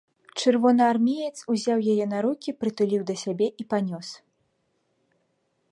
Чырвонаармеец узяў яе на рукі, прытуліў да сябе і панёс.